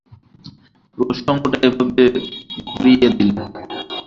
প্রসঙ্গটা এভাবে ঘুরিয়ে দিলো।